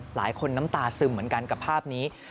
หลายคนน้ำตาซึมเหมือนกันกับภาพนี้